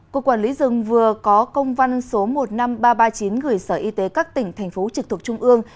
cục quản lý rừng vừa có công văn số một mươi năm nghìn ba trăm ba mươi chín gửi sở y tế các tỉnh thành phố trực thuộc trung ương